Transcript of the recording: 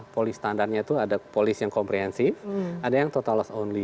polis standarnya itu ada polis yang komprehensif ada yang total loss only